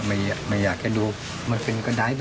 แต่มันยังทรีปหัวเตะหน้าอยู่